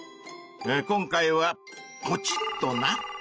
今回はポチッとな！